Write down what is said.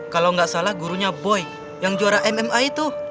kalau nggak salah gurunya boy yang juara mma itu